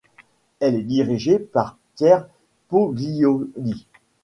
Elle est dirigée par Pierre Poggioli.